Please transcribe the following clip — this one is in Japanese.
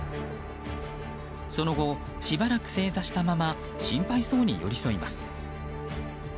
その後、しばらく正座したまま心配そうに寄り添います。